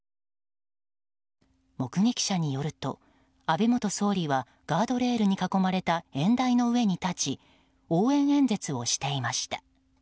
目撃者によると、安倍元総理はガードレールに囲まれた演台の上に立ち応援演説をしていました。